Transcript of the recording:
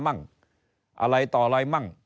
อะไรต่ออะไรมั่ง